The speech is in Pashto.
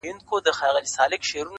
یا به اوښ یا زرافه ورته ښکاره سم!!